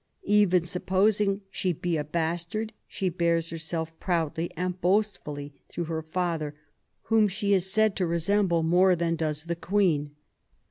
Even supposing she be a bastard, she bears herself proudly and boastfully through her father, whom she is said to resemble more than does the Queen.